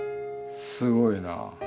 すごいな。